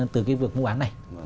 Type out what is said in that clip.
từ cái việc mua bán này